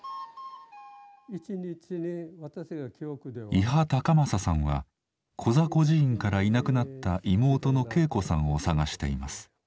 伊波孝眞さんはコザ孤児院からいなくなった妹の恵子さんを捜しています。